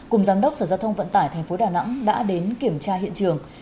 cùng giám đốc sở giao thông vận tải tp đà nẵng đã đến kiểm tra hiện trường